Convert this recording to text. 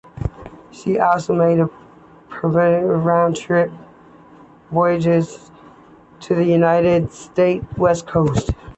She also made periodic round-trip voyages to the United States West Coast.